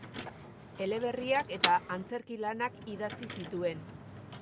Eleberriak eta antzerki lanak idatzi zituen.